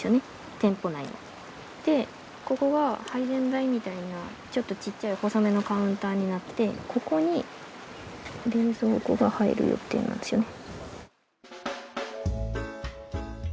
店舗内のでここが配膳台みたいなちょっとちっちゃい細めのカウンターになってここに冷蔵庫が入る予定なんですよね